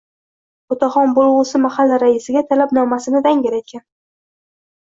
Otaxon bo`lg`usi mahalla raisiga Talabnomasini dangal aytgan